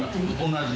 同じ。